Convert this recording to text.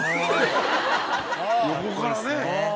横からね。